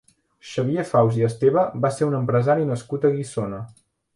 Xavier Faus i Esteve va ser un empresari nascut a Guissona.